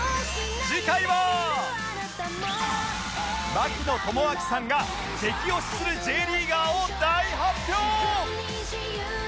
槙野智章さんが激推しする Ｊ リーガーを大発表！